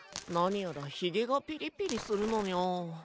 何やらヒゲがピリピリするのにゃ。